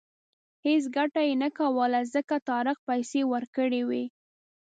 هېڅ ګټه یې نه کوله ځکه طارق پیسې ورکړې وې.